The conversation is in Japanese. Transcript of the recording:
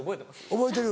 覚えてる。